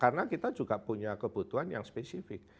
karena kita juga punya kebutuhan yang spesifik